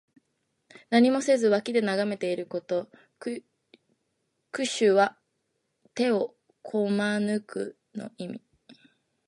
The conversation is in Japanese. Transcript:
何もせずに脇で眺めていること。「拱手」は手をこまぬくの意味。